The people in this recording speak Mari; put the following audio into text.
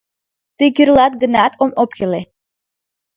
Тый кӱрлат гынат, ом ӧпкеле